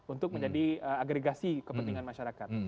untuk menjadi agregasi kepentingan masyarakat